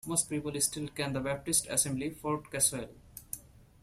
Most people still call the Baptist Assembly "Fort Caswell".